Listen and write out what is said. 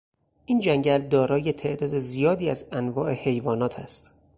این جنگل دارای تعداد زیادی از انواع حیوانات است.